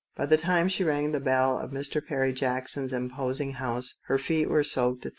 By the time she rang the bell of Mr. Perry Jackson's impos ing house her feet were soaked through.